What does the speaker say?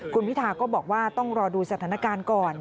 คุณพิธาก็บอกว่าต้องรอดูสถานการณ์ก่อน